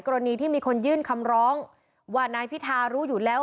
กรณีที่มีคนยื่นคำร้องว่านายพิธารู้อยู่แล้ว